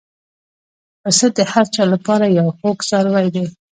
پسه د هر چا له پاره یو خوږ څاروی دی.